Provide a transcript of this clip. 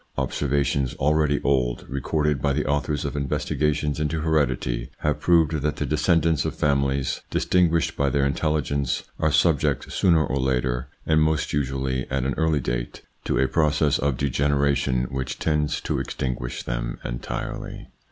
Observations already old, recorded by the authors of investigations into heredity, have proved that the descendants of families distinguished by their intelli gence are subject sooner or later and most usually at an early date to a process of degeneration which tends to extinguish them entirely.